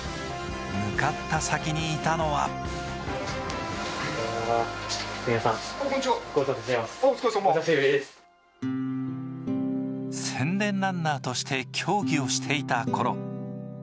向かった先にいたのは宣伝ランナーとして競技をしていたころ